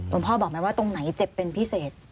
พ่อบอกไหมว่าตรงไหนเจ็บเป็นพิเศษ